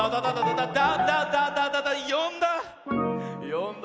よんだ？